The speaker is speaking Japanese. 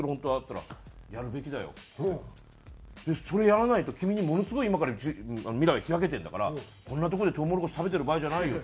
「それやらないと君にものすごい今から未来開けてるんだからこんなとこでとうもろこし食べてる場合じゃないよ